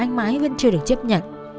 khi anh thọ gặp nhau